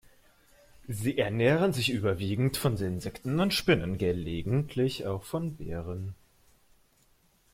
Sie ernähren sich überwiegend von Insekten und Spinnen, gelegentlich auch von Beeren.